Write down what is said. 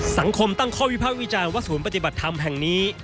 สังคมตั้งข้อวิพากษ์วิจารณ์ว่าศูนย์ปฏิบัติธรรมแห่งนี้